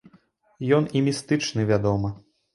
Ён і містычны, вядома.